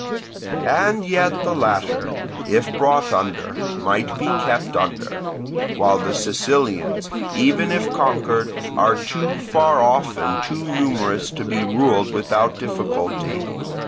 "And yet the latter, if brought under, might be kept under; while the Sicilians, even if conquered, are too far off and too numerous to be ruled without difficulty.